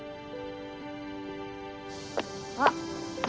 あっ。